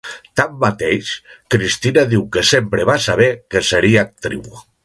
Tanmateix, Cristina diu que sempre va saber que seria actriu.